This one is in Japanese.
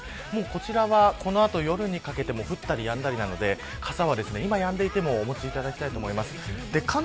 こちらは、この後夜にかけても降ったりやんだりなので傘は今、やんでいてもお持ちいただきたいです。